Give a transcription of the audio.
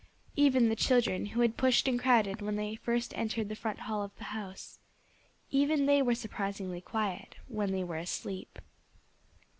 Even the children, who had pushed and crowded when they first entered the front hall of the house even they were surprisingly quiet, when they were asleep.